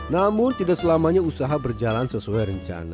namun tidak selamanya usaha berjalan sesuai rencana